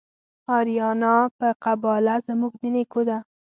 آریانا په قباله زموږ د نیکو ده